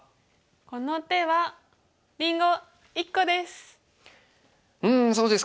この手はりんご１個です！